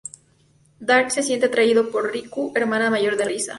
Dark se siente atraído por Riku, hermana mayor de Risa.